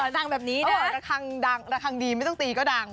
ดังแบบนี้เถอะระคังดังระคังดีไม่ต้องตีก็ดัง